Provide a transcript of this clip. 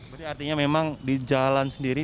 berarti artinya memang di jalan sendiri